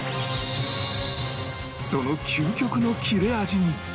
その究極の切れ味に